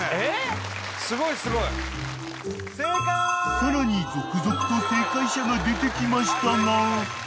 ［さらに続々と正解者が出てきましたが］